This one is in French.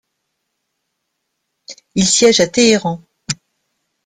Il siège à Téhéran.